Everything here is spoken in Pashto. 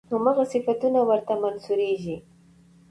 همغه صفتونه ورته منسوبېږي.